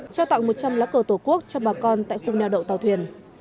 trao tặng một trăm linh lá cờ tổ quốc cho bà con tại khung nèo đậu tàu thuyền